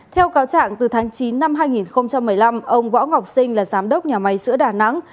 theo cáo trạng từ tháng chín năm hai nghìn một mươi năm ông võ ngọc sinh là giám đốc nhà máy sữa đà nẵng